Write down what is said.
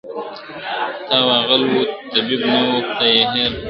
ته وا غل وو طبیب نه وو خدای ېې هېر کړ ..